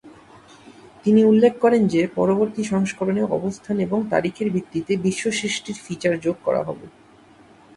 তিনি উল্লেখ করেন যে পরবর্তী সংস্করণে অবস্থান এবং তারিখের ভিত্তিতে বিশ্ব সৃষ্টির ফিচার যোগ করা হবে।